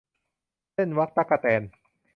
เซ่นวักตั๊กแตน